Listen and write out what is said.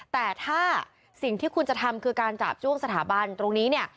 แต่ถ้าสิ่งที่คุณจะทำคือการจาบจ้วงสถาบันตรงนี้เนี่ย